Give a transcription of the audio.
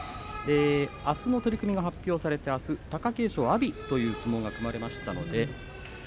あすの取組が発表されてあすは貴景勝と阿炎の取組が発表されました。